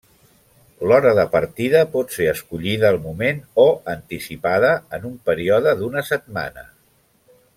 L'hora de partida pot ser escollida al moment o anticipada en un període d'una setmana.